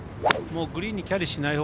グリーンにキャリーしない。